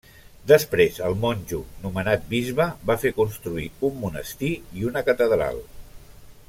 Després el monjo, nomenat bisbe, va fer construir un monestir i una catedral.